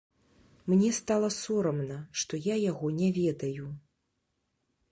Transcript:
Мне стала сорамна, што я яго не ведаю.